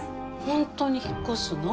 本当に引っ越すの？